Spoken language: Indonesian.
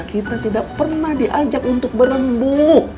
kita tidak pernah diajak untuk berenbuk